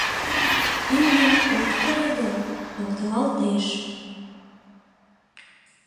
Имньым от кыре гын, локтылалтеш...